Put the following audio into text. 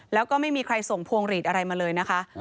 แล้วก็ไม่มีใครส่งพวงหลีดอะไรมาเลยนะคะ